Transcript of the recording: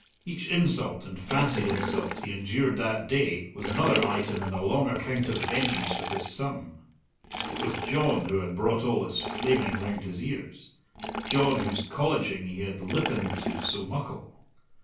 Each insult, and fancied insult, he endured that day was another item in the long account of vengeance with his son. It was John who had brought all this flaming round his ears John whose colleging he had lippened to so muckle.